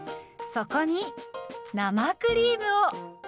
そこに生クリームを。